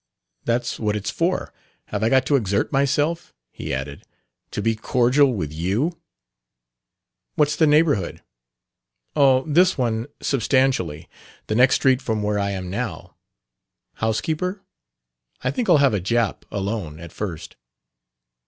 That's what it's for. Have I got to exert myself," he added, "to be cordial with you?" "What's the neighborhood?" "Oh, this one, substantially. The next street from where I am now." "Housekeeper?" "I think I'll have a Jap alone, at first."